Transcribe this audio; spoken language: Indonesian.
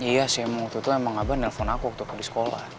iya si emotu tuh emang abah nelfon aku waktu aku di sekolah